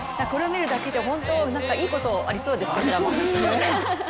これを見るだけでいいことありそうですね。